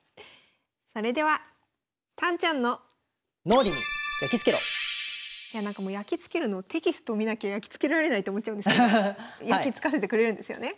それではなんかもうやきつけるのテキスト見なきゃやきつけられないと思っちゃうんですけどやきつかせてくれるんですよね？